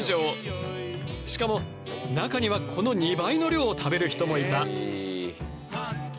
しかも中にはこの２倍の量を食べる人もいた。